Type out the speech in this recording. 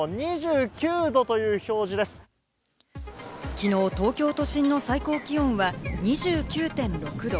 きのう東京都心の最高気温は２９．６度。